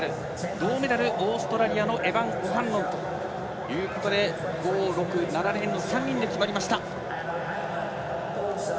銅メダル、オーストラリアのエバン・オハンロンということで５、６、７レーンの３人で決まりました。